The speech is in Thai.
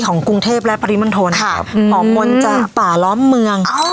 ของกรุงเทพและปริมันโทนครับหอมมนต์จากป่าล้อมเมือง